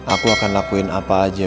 aku akan lakuin apa aja